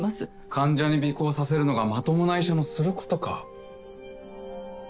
患者に尾行させるのがまともな医者のすることか？